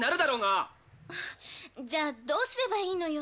南：じゃあどうすればいいのよ？